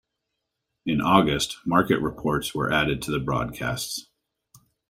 In August, market reports were added to the broadcasts.